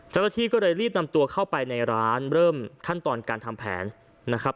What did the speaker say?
เจ้าหน้าที่ก็เลยรีบนำตัวเข้าไปในร้านเริ่มขั้นตอนการทำแผนนะครับ